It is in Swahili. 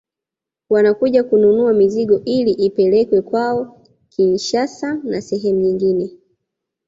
Wanakuja kununua mizigo ili ipelekwe kwao Kinshasa na sehemu nyingine